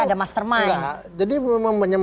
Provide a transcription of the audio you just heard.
ada beliau mengatakan